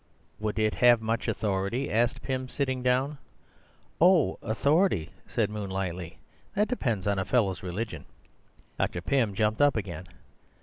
"Would it have much authority?" asked Pym, sitting down. "Oh, authority!" said Moon lightly; "that depends on a fellow's religion." Dr. Pym jumped up again.